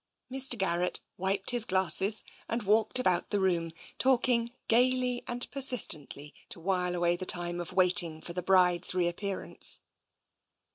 Mr. Garrett wiped his glasses and walked about the room, talking gaily and persistently to while away the time of waiting for the bride's reappearance.